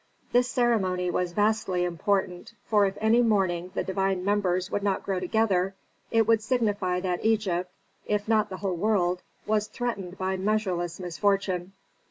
This ceremony was vastly important, for if any morning the divine members would not grow together it would signify that Egypt, if not the whole world, was threatened by measureless misfortune.